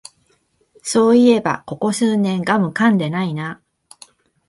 そういえばここ数年ガムかんでないな